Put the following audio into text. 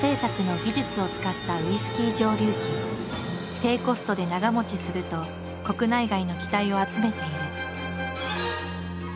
低コストで長もちすると国内外の期待を集めている。